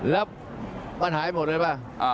แล้วมันหายหมดเลยป่ะ